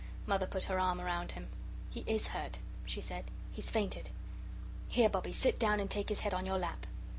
Mother put her arm round him. "He IS hurt," she said; "he's fainted. Here, Bobbie, sit down and take his head on your lap."